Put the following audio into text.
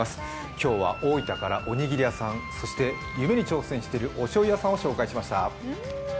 今日は大分からおにぎり屋さん、そして夢に挑戦しているおしょうゆ屋さんを紹介しました。